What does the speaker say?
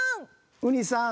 うにさん。